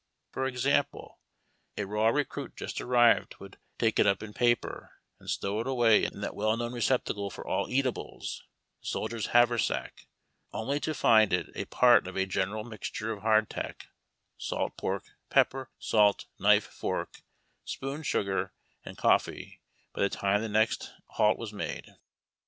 For exam ple, a raw recruit just arrived would take it up in a paper, and stow it away in that well known receptacle for all eatables, the soldier's haversack, onl} to find it a part of a general mixture of hardtack, salt pork, pepper, salt, knife, fork, spoon, sugar, and coffee by the time the next halt was made.